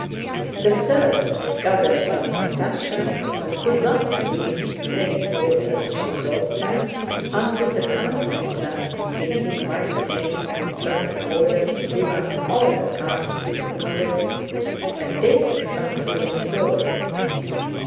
The servants gathered round Natásha, but could not believe the strange order she brought them until the count himself, in his wife's name, confirmed the order to give up all the carts to the wounded and take the trunks to the storerooms.